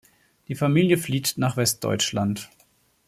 Die Familie flieht nach Westdeutschland.